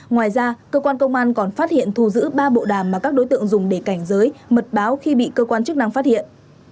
ngoài ra cơ quan công an còn phát hiện thu giữ ba bộ đàm mà các đối tượng dùng để cảnh giới mật báo khi bị cơ quan chức năng phát hiện